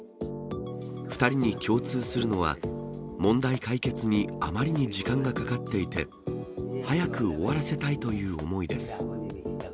２人に共通するのは、問題解決にあまりに時間がかかっていて、早く終わらせたいという思いです。